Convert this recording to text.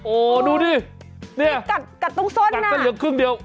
โอ้ดูนี่นี่กัดตรงส้นน่ะกัดตรงเหลือครึ่งเดียว